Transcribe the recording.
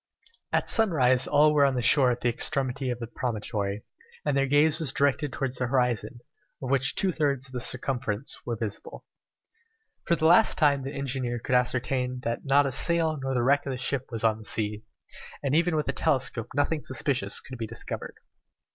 At sunrise all were on the shore at the extremity of the promontory, and their gaze was directed towards the horizon, of which two thirds of the circumference were visible. For the last time the engineer could ascertain that not a sail nor the wreck of a ship was on the sea, and even with the telescope nothing suspicious could be discovered.